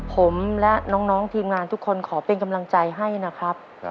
ผมและน้องทีมงานทุกคนขอเป็นกำลังใจให้นะครับ